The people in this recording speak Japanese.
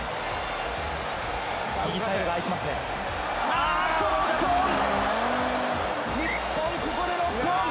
あっと、ノックオン！